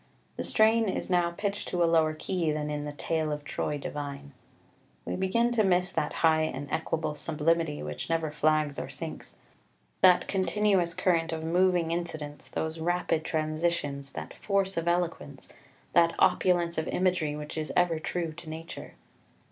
The strain is now pitched to a lower key than in the "Tale of Troy divine": we begin to miss that high and equable sublimity which never flags or sinks, that continuous current of moving incidents, those rapid transitions, that force of eloquence, that opulence of imagery which is ever true to Nature.